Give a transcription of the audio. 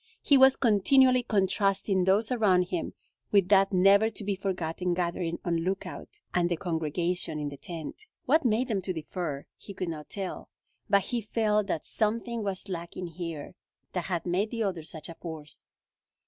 He was continually contrasting those around him with that never to be forgotten gathering on Lookout, and the congregation in the tent. What made them to differ? He could not tell, but he felt that something was lacking here that had made the other such a force.